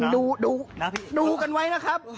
ดูดูดูกันไว้นะครับ